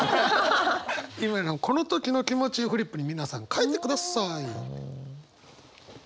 今のこの時の気持ちフリップに皆さん書いてください。